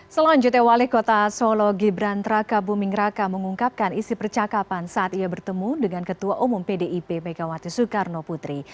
selanjutnya wali kota solo gibran traka buming raka mengungkapkan isi percakapan saat ia bertemu dengan ketua umum pdip megawati soekarno putri